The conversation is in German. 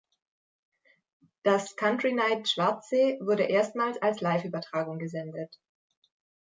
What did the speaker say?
Das Country-Night Schwarzsee wurde erstmals als Liveübertragung gesendet.